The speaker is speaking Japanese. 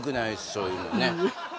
そういうのはね